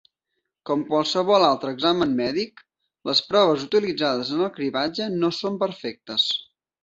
Com qualsevol altre examen mèdic, les proves utilitzades en el cribratge no són perfectes.